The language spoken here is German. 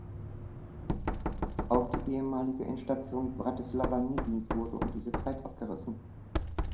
Auch die ehemalige Endstation Bratislava-Nivy wurde um diese Zeit abgerissen.